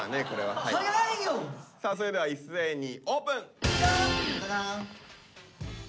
さあそれでは一斉にオープン！